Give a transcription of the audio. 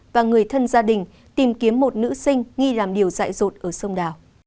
và người thân gia đình tìm kiếm một nữ sinh nghi làm điều dại rột ở sông đảo